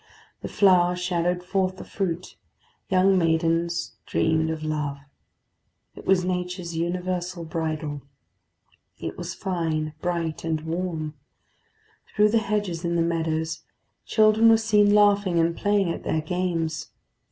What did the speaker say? The flower shadowed forth the fruit; young maidens dreamed of love. It was nature's universal bridal. It was fine, bright, and warm; through the hedges in the meadows children were seen laughing and playing at their games.